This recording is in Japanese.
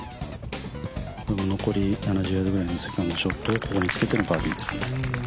残り７０ヤードぐらいのセカンドショットをここにつけてのバーディーです。